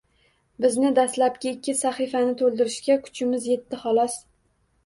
Bizni dastlabki ikki sahifani to‘ldirishga kuchimiz yetdi xolos